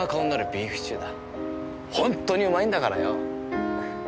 ほんとにうまいんだからよ！